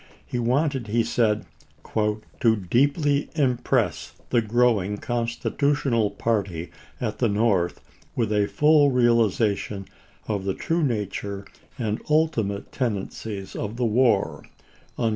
He wanted, he said, " to deeply impress the growing constitu tional party at the North with a full realization of the true nature and ultimate tendencies of the st« wa?